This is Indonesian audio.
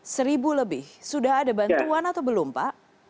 seribu lebih sudah ada bantuan atau belum pak